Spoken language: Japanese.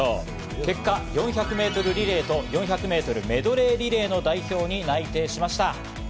結果、４００ｍリレーと４００ｍメドレーリレーの代表に内定しました。